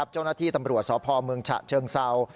เจ้าหน้าที่ตำรวจสพเมืองฉะเชิงเศร้า